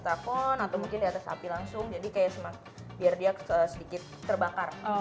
tapon atau mungkin diatas api langsung jadi kayak semak biar dia sedikit terbakar